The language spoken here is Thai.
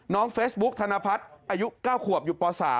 เฟซบุ๊กธนพัฒน์อายุ๙ขวบอยู่ป๓